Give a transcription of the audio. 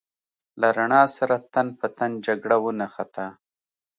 له رڼا سره تن په تن جګړه ونښته.